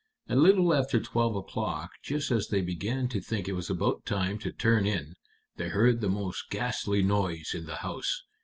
A little after twelve o'clock, just as they began to think it was about time to turn in, they heard the most ghastly noise in the house.